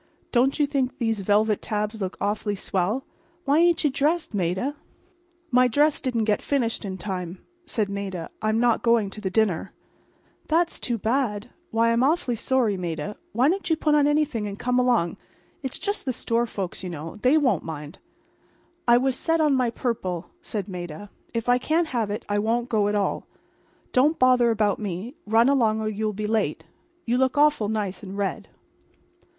Don't you think these velvet tabs look awful swell? Why ain't you dressed, Maida?" "My dress didn't get finished in time," said Maida. "I'm not going to the dinner." "That's too bad. Why, I'm awfully sorry, Maida. Why don't you put on anything and come along—it's just the store folks, you know, and they won't mind." "I was set on my purple," said Maida. "If I can't have it I won't go at all. Don't bother about me. Run along or you'll be late. You look awful nice in red."